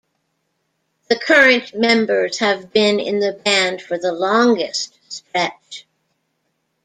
The current members have been in the band for the longest stretch.